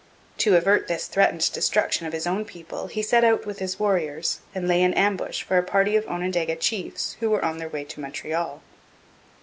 To avert this threatened destruction of his own people, he set out with his warriors and lay in ambush for a party of Onondaga chiefs who were on their way to Montreal.